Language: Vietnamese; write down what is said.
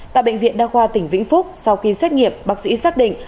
tại bệnh viện đa khoa tỉnh vĩnh phúc sau khi xét nghiệm bác sĩ xác định